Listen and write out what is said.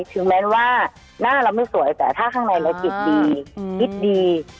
ถึงแม้ว่าหน้าเราไม่สวยแต่ถ้าข้างในเราจิตดีคิดดี